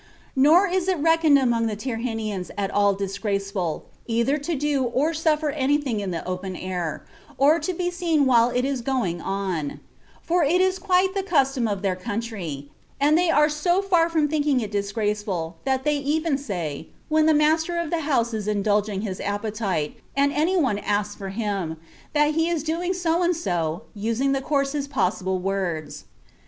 Nor is it reckoned among the Tyrrhenians at all disgraceful either to do or suffer anything in the open air, or to be seen while it is going on; for it is quite the custom of their country, and they are so far from thinking it disgraceful that they even say, when the master of the house is indulging his appetite, and anyone asks for him, that he is doing so and so, using the coarsest possible words....